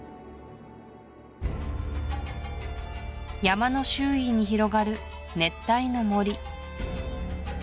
山の周囲に広がる熱帯の森